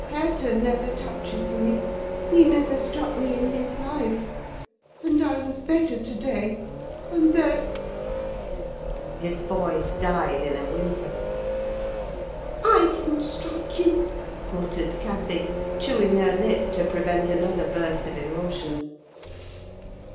Hareton never touches me: he never struck me in his life. And I was better to day: and there—" his voice died in a whimper. "I didn't strike you!" muttered Cathy, chewing her lip to prevent another burst of emotion.